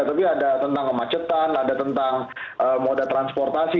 tapi ada tentang kemacetan ada tentang moda transportasi